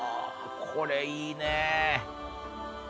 これいいね！